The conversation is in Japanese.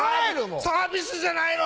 サービスじゃないの！